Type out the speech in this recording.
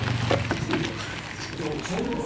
全部わからないですけど。